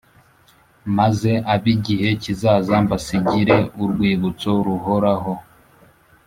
maze ab’igihe kizaza mbasigire urwibutso ruhoraho.